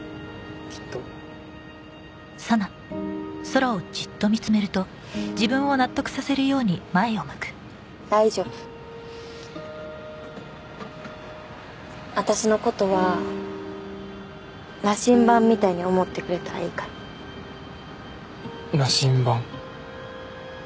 きっと大丈夫私のことは羅針盤みたいに思ってくれたらいいから羅針盤？